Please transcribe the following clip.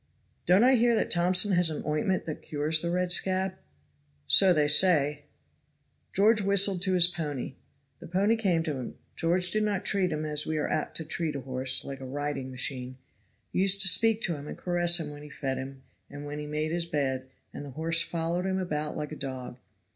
"Don't I hear that Thompson has an ointment that cures the red scab?" "So they say." George whistled to his pony. The pony came to him. George did not treat him as we are apt to treat a horse like a riding machine. He used to speak to him and caress him when he fed him and when he made his bed, and the horse followed him about like a dog.